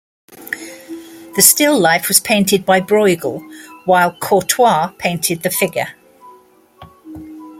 The still life was painted by Brueghel while Courtois painted the figure.